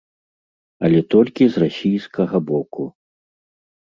Але толькі з расійскага боку.